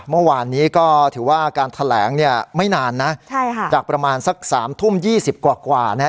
เมื่อวานนี้ก็ถือว่าการแถลงเนี่ยไม่นานนะใช่ค่ะจากประมาณสักสามทุ่ม๒๐กว่านะฮะ